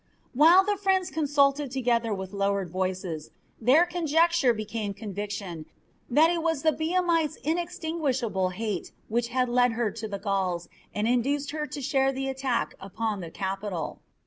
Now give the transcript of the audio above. While the friends consulted together with lowered voices, their conjecture became conviction that it was the Biamite's inextinguishable hate which had led her to the Gauls and induced her to share the attack upon the capital.